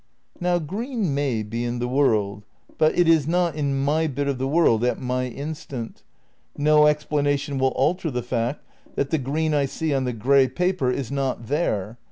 Now green may be in the world, but it is not in my bit of the world at my instant ; no explanation will al ter the fact that the green I see on the grey paper is not "there."